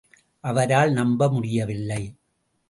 அவரால் நம்ப முடியவில்லை.